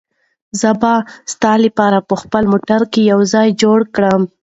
زه به ستا لپاره په خپل موټر کې یو ځای جوړ کړم.